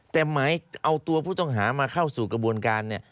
แต่หมายเอาตัวผู้ต้องหามาเข้าสู่กระบวนการเนี่ย